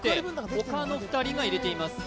他の２人が入れています